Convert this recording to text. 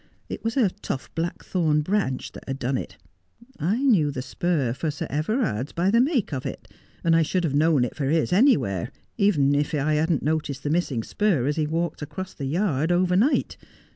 It was a tough blackthorn branch that had done it. I knew the spur for Sir Everard's by the make of it, and I should have known it for his anywhere, even if I had not noticed the missing / must bide my Time. 249 spur as he walked across the yard overnight.